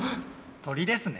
鳥ですね。